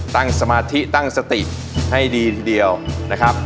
สมาธิตั้งสติให้ดีทีเดียวนะครับ